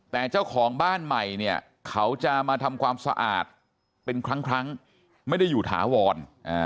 แต่เจ้าของบ้านใหม่เนี่ยเขาจะมาทำความสะอาดเป็นครั้งไม่ได้อยู่ถาวร